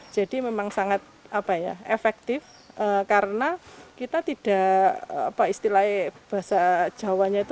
jadi memang sangat efektif karena kita tidak apa istilahnya bahasa jawanya itu